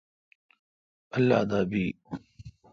اللہ دا بیی۔